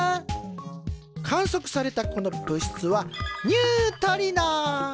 観測されたこの物質はニュートリノ！